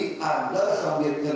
masih ada hutang sama pendatangan